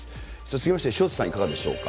続きまして、潮田さん、いかがでしょうか。